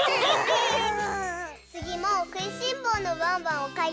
つぎもくいしんぼうのワンワンをかいてくれたよ。